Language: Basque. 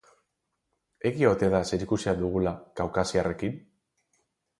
Egia ote da zerikusia dugula kaukasiarrekin?